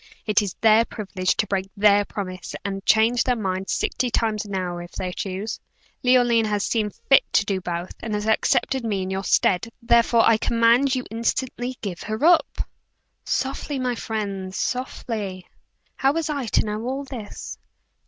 "It is their privilege to break their promise and change their mind sixty times an hour, if they choose. Leoline has seen fit to do both, and has accepted me in your stead; therefore I command you instantly to give her up!" "Softly, my friend softly. How was I to know all this?"